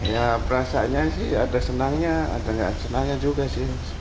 ya perasaannya sih ada senangnya ada nggak senangnya juga sih